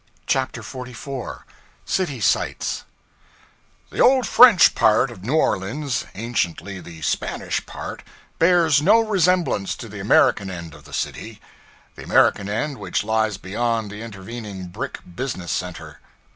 CHAPTER 44 City Sights THE old French part of New Orleans anciently the Spanish part bears no resemblance to the American end of the city: the American end which lies beyond the intervening brick business center.